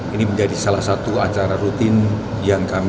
ini menjadi salah satu acara rutin yang kami